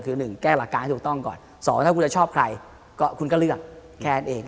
คือ๑แก้หลักการให้ถูกต้องก่อน๒ถ้าคุณจะชอบใครก็คุณก็เลือกแค่นั้นเอง